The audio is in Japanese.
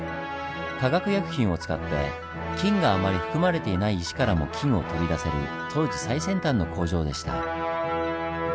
化学薬品を使って金があまり含まれていない石からも金を取り出せる当時最先端の工場でした。